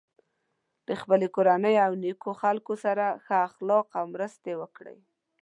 د خپل کورنۍ او نیکو خلکو سره ښه اخلاق او مرستې وکړی.